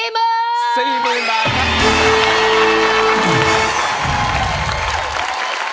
๔๐๐๐๐บาทนะครับ